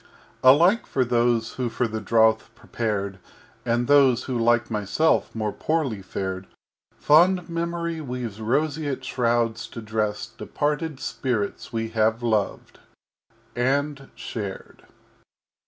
_] XI Alike for those who for the Drouth prepared And those who, like myself, more poorly fared, Fond Memory weaves Roseate Shrouds to dress Departed Spirits we have loved and shared.